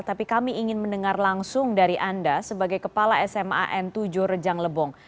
tapi kami ingin mendengar langsung dari anda sebagai kepala sma n tujuh rejang lebong